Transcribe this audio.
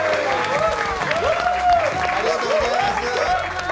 ありがとうございます。